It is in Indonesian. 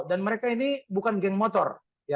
dan mereka ini bukan geng motor